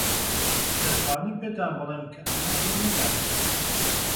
دەتوانم پێتان بڵێم کە ئەمە ڕووی نەداوە.